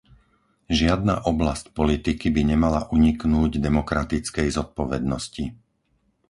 Žiadna oblasť politiky by nemala uniknúť demokratickej zodpovednosti.